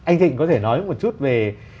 anh thịnh có thể nói một chút về